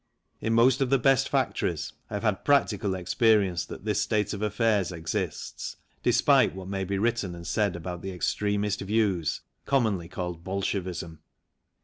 In most of the best factories I have had practical experience that this state of affairs exists, despite what may be written and said about the extremist views, commonly called Bolshevism.